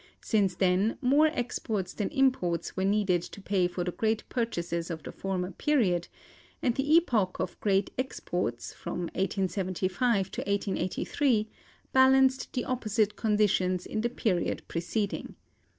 Since then more exports than imports were needed to pay for the great purchases of the former period; and the epoch of great exports, from 1875 to 1883, balanced the opposite conditions in the period preceding.